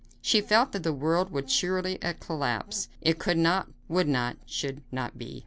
She felt that the world would surely collapse. It could not, would not, should not be.